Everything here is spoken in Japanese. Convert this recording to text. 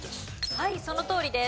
はいそのとおりです。